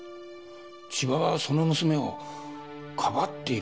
千葉はその娘をかばっているというのか。